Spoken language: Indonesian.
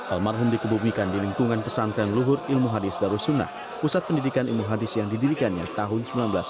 almarhum dikebumikan di lingkungan pesantren luhur ilmu hadis darussunnah pusat pendidikan ilmu hadis yang didirikannya tahun seribu sembilan ratus sembilan puluh